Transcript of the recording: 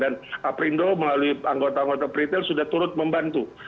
dan aprindo melalui anggota anggota pretail sudah turut membantu